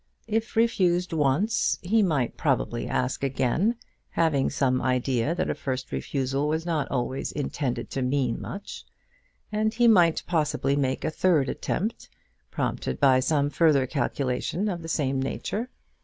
If refused once, he might probably ask again, having some idea that a first refusal was not always intended to mean much, and he might possibly make a third attempt, prompted by some further calculation of the same nature.